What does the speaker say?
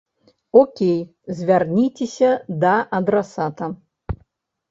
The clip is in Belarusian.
Окей, звярніцеся да адрасата.